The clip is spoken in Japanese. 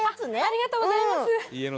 ありがとうございます。